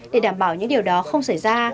để đảm bảo những điều đó không xảy ra